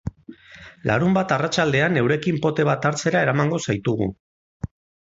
Larunbat arratsaldean eurekin pote bat hartzera eramango zaitugu.